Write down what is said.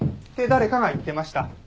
誰かが言ってました。